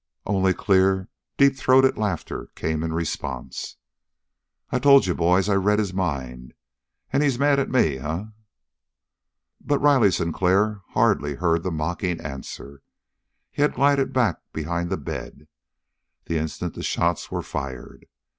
Only clear, deep throated laughter came in response. "I told you, boys. I read his mind, and he's mad at me, eh?" But Riley Sinclair hardly heard the mocking answer. He had glided back behind the bed, the instant the shots were fired.